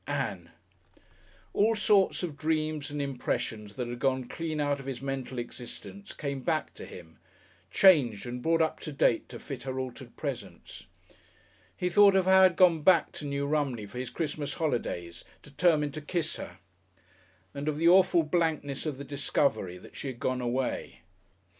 "Ann!" All sorts of dreams and impressions that had gone clean out of his mental existence came back to him, changed and brought up to date to fit her altered presence. He thought of how he had gone back to New Romney for his Christmas holidays, determined to kiss her, and of the awful blankness of the discovery that she had gone away.